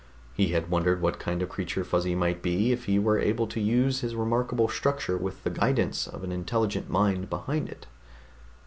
He had wondered what kind of a creature Fuzzy might be if he were able to use his remarkable structure with the guidance of an intelligent mind behind it....